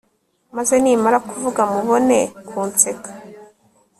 maze nimara kuvuga mubone kunseka